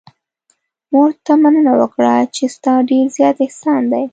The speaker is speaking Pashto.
ما ورته مننه وکړه چې ستا ډېر زیات احسان دی.